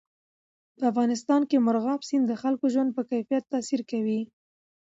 په افغانستان کې مورغاب سیند د خلکو د ژوند په کیفیت تاثیر کوي.